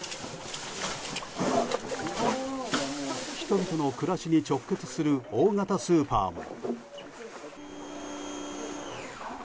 人々の暮らしに直結する大型スーパーも。